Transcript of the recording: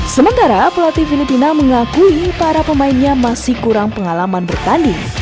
sementara pelatih filipina mengakui para pemainnya masih kurang pengalaman bertanding